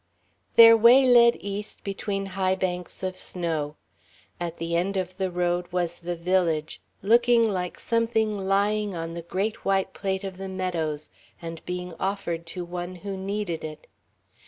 Their way led east between high banks of snow. At the end of the road was the village, looking like something lying on the great white plate of the meadows and being offered to one who needed it.